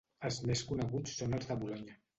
Els més coneguts són els de Bolonya.